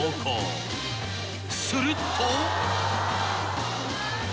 ［すると］